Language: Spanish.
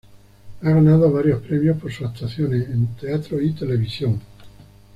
Ha ganado varios premios por sus actuaciones en teatro y televisión.